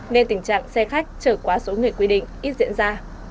nên tình trạng xe khách trở quá số người quy định ít diễn ra